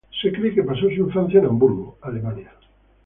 Se cree que pasó su infancia en Hamburgo, Alemania.